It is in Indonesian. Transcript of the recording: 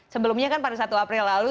sebelumnya kan pada satu april lalu